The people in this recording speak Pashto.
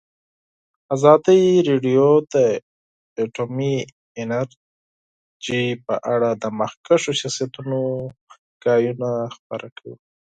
ازادي راډیو د اټومي انرژي په اړه د مخکښو شخصیتونو خبرې خپرې کړي.